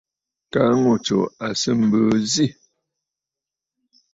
Kaa ŋù tsù à sɨ mbìì zî.